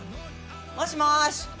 もしもーし。